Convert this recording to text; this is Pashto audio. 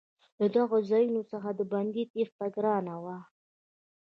له دغو ځایونو څخه د بندي تېښته ګرانه وه.